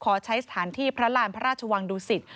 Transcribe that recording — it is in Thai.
ขอใช้สถานที่พระราชวังดูศิษฐ์